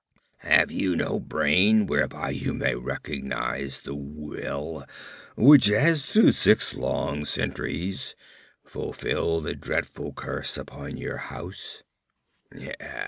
Have you no brain whereby you may recognize the will which has through six long centuries fulfilled the dreadful curse upon your house?